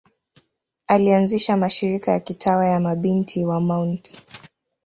Alianzisha mashirika ya kitawa ya Mabinti wa Mt.